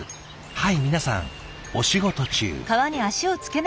はい皆さんお仕事中。